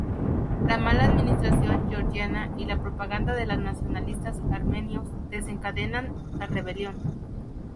La mala administración georgiana y la propaganda de los nacionalistas armenios desencadenan la rebelión.